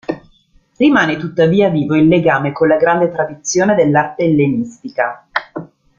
Rimane tuttavia vivo il legame con la grande tradizione dell'arte ellenistica.